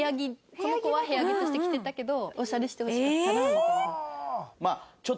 この子は部屋着として着てたけどオシャレしてほしかったな。